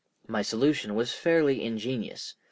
My solution was fairly ingenious.